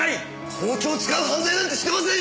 包丁を使う犯罪なんてしてませんよ！